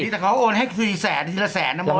แต่เขาโอนให้คือ๔แสน๒ละแสนนะมั้ย